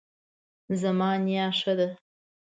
زما نیا ښه ده